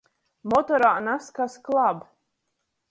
Motorā nazkas klab.